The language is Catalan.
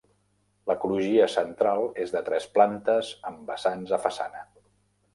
La crugia central és de tres plantes amb vessants a façana.